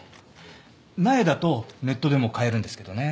苗だとネットでも買えるんですけどね。